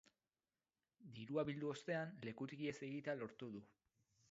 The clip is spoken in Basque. Dirua bildu ostean, lekutik ihes egitea lortu du.